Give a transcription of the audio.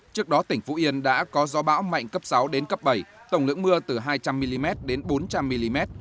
trước đó tỉnh phú yên đã có gió bão mạnh cấp sáu đến cấp bảy tổng lượng mưa từ hai trăm linh mm đến bốn trăm linh mm